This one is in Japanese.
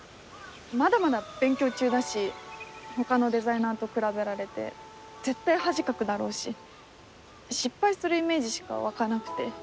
まだまだ勉強中だし他のデザイナーと比べられて絶対恥かくだろうし失敗するイメージしか湧かなくて。